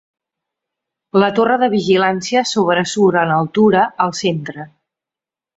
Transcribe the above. La torre de vigilància sobresurt en altura al centre.